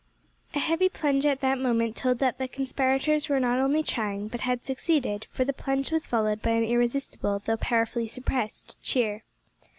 A heavy plunge at that moment told that the conspirators were not only trying but had succeeded, for the plunge was followed by an irresistible though powerfully suppressed cheer.